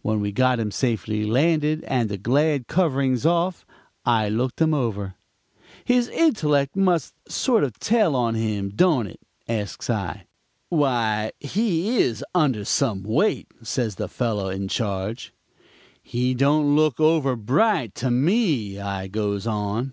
"When we got him safely landed and the glad coverings off, I looked him over. "'His intellect must sort of tell on him, don't it?' asks I. "'Why, he is some under weight,' says the fellow in charge. "'He don't look over bright to me,' I goes on.